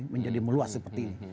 menjadi meluas seperti ini